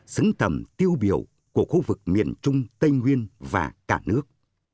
xứng tầm tiêu biểu của khu vực miền trung tây nguyên và cả nước